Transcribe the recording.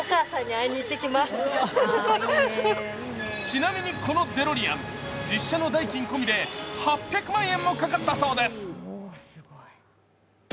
ちなみにこのデロリアン実車の代金込みで８００万円もかかったそうです。